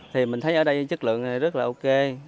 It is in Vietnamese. thì mình thấy ở đây chất lượng này rất là ok